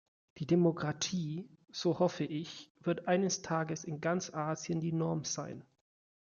Die Demokratie, so hoffe ich, wird eines Tages in ganz Asien die Norm sein.